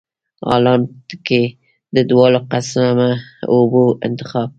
حالانکه د دواړو قسمه اوبو انتخاب